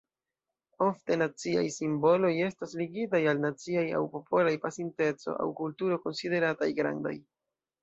Ofte naciaj simboloj estas ligitaj al naciaj aŭ popolaj pasinteco aŭ kulturo konsiderataj "grandaj".